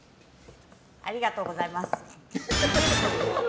ありがとうございます。